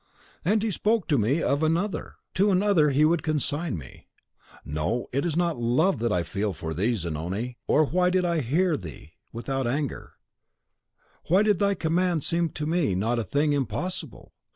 .... "And he spoke to me of ANOTHER: to another he would consign me! No, it is not love that I feel for thee, Zanoni; or why did I hear thee without anger, why did thy command seem to me not a thing impossible?